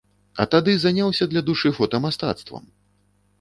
А тады заняўся для душы фотамастацтвам!